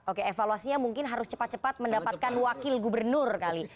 oke evaluasinya mungkin harus cepat cepat mendapatkan wakil gubernur kali